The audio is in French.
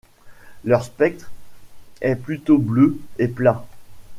Leur spectre est plutôt bleu et plat.